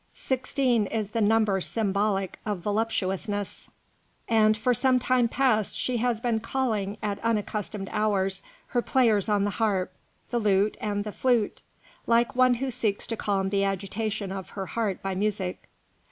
Sixteen is the number symbolical of voluptuousness; and for some time past she has been calling at unaccustomed hours her players on the harp, the lute, and the flute, like one who seeks to calm the agitation of her heart by music."